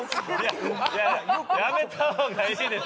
いややめた方がいいですよ。